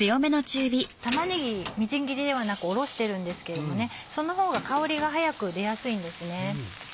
玉ねぎみじん切りではなくおろしてるんですけれどその方が香りが早く出やすいんですね。